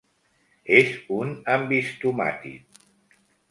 És un ambistomàtid.